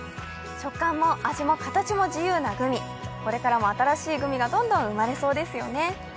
食感も味も形も自由なグミ、これからも新しいグミがどんどん生まれそうですよね。